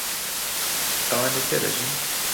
ئەوان لەکوێ دەژین؟